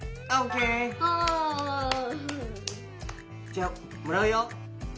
じゃあもらうよ。